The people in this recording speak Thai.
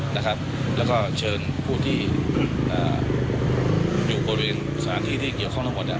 แล้วก็เชิญผู้ที่อยู่บริเวณสถานที่ที่เขียวข้องน้ำหมด